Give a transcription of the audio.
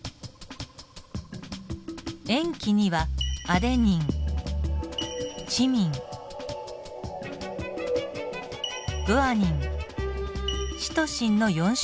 塩基にはアデニンチミングアニンシトシンの４種類があります。